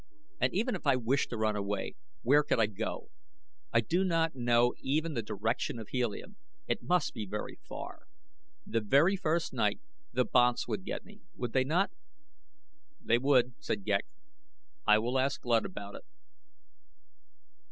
"And even if I wished to run away where could I go? I do not know even the direction of Helium. It must be very far. The very first night the banths would get me, would they not?" "They would," said Ghek. "I will ask Luud about it."